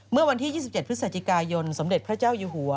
เมื่อวันที่๒๗พฤศจิกายนสมเด็จพระเจ้าอยู่หัว